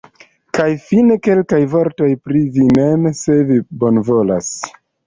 Kaj fine, kelkaj vortoj pri vi mem, se vi bonvolas?